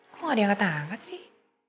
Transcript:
kok gak diangkat angkat sih